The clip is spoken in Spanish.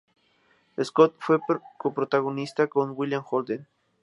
Scott fue coprotagonista con William Holden, quien actuó en el papel de "George Gibbs".